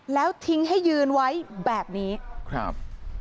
แล้วทิ้งให้ยืนไว้แบบนี้ครับ